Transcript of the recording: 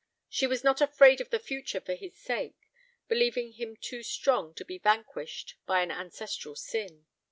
She was not afraid of the future for his sake, believing him too strong to be vanquished by an ancestral sin.